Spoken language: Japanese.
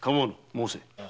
申せ。